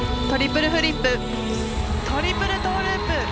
トリプルフリップトリプルトーループ。